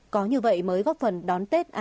có như vậy mới góp phần đón tết an